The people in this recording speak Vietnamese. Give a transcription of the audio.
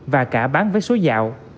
và cả bán với số dạo